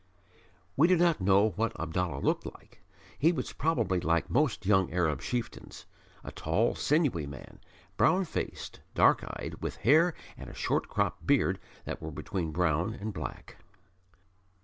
We do not know what Abdallah looked like. He was probably like most young Arab chieftains, a tall, sinewy man brown faced, dark eyed, with hair and a short cropped beard that were between brown and black.